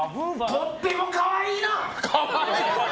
とっても可愛いな！